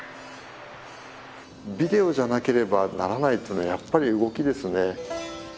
ビデオじゃなければならないというのはやっぱり動きですね。